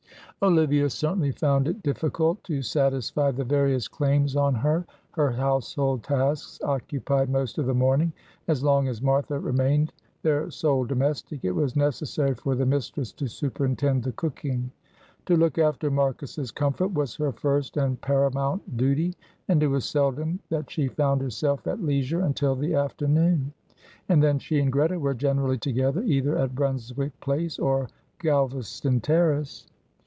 Olivia certainly found it difficult to satisfy the various claims on her; her household tasks occupied most of the morning; as long as Martha remained their sole domestic, it was necessary for the mistress to superintend the cooking. To look after Marcus's comfort was her first and paramount duty, and it was seldom that she found herself at leisure until the afternoon, and then she and Greta were generally together, either at Brunswick Place or Galvaston Terrace.